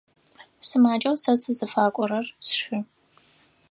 Сымаджэу сэ сызыфакӏорэр сшы.